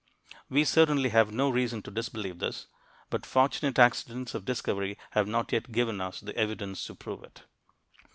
We certainly have no reason to disbelieve this, but fortunate accidents of discovery have not yet given us the evidence to prove it.